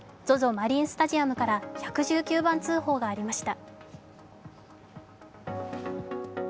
マリンスタジアムから１１９番通報がありました。